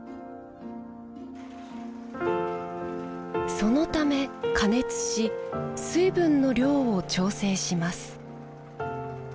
そのため加熱し水分の量を調整します。